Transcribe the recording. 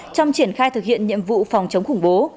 trong triển khai thực hiện nhiệm vụ phòng chống khủng bố